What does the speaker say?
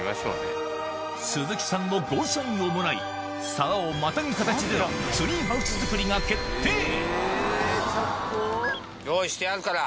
鈴木さんのゴーサインをもらい沢をまたぐ形でのツリーハウス作りが決定用意してあるから。